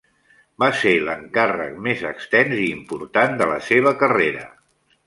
Va ser l'encàrrec més extens i important de la seva carrera.